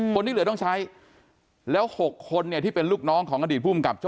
คนที่เหลือต้องใช้แล้ว๖คนเนี่ยที่เป็นลูกน้องของอดีตภูมิกับโจ